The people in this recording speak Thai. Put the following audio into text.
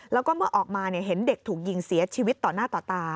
แล้วก็เมื่อออกมาเห็นเด็กถูกยิงเสียชีวิตต่อหน้าต่อตา